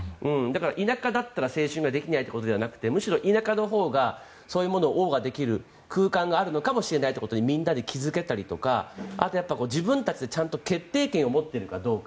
田舎だったら青春ができないということじゃなくてむしろ田舎のほうがそういうものをおう歌できる空間があるのかもしれないってことにみんなで気付けたりとかあと、自分たちで決定権を持っているかどうか。